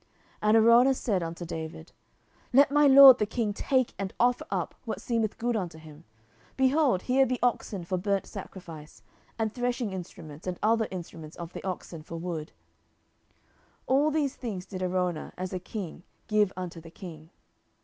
10:024:022 And Araunah said unto David, Let my lord the king take and offer up what seemeth good unto him: behold, here be oxen for burnt sacrifice, and threshing instruments and other instruments of the oxen for wood. 10:024:023 All these things did Araunah, as a king, give unto the king.